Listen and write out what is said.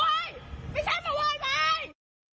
ไม่ใช่เมื่อไหน